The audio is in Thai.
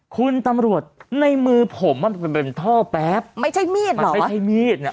คุณตำรวจในมือผมมาเป็นโต้แป๊บไม่ใช่มีดล่ะไม่ใช่มีดเนี่ย